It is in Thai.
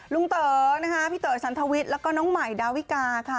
เต๋อนะคะพี่เต๋อฉันทวิทย์แล้วก็น้องใหม่ดาวิกาค่ะ